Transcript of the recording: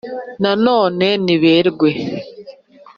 na none niberwe